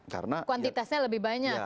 karena kuantitasnya lebih banyak